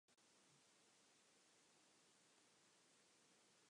Through later transactions, almost all of these stations are now owned by Bell Media.